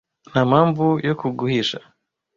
nta mpamvu yo kuguhisha